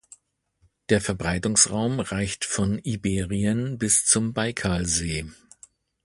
Der Verbreitungsraum reicht von Iberien bis zum Baikalsee.